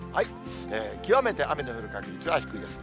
極めて雨の降る確率は低いです。